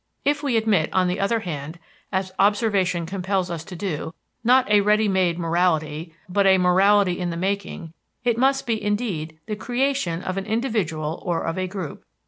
If we admit, on the other hand, as observation compels us to do, not a ready made morality, but a morality in the making, it must be, indeed, the creation of an individual or of a group.